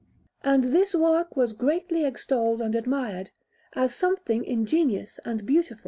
And this work was greatly extolled and admired, as something ingenious and beautiful.